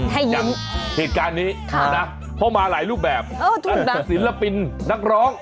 ให้ยิ้มอย่างเหตุการณ์นี้นะครับพอมาหลายรูปแบบศิลปินนักร้อง